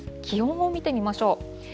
気温を見てみましょう。